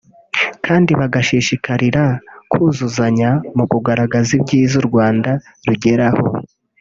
kandi bagahishikarira kuzuzanya mu kugaragaza ibyiza u Rwanda rugeraho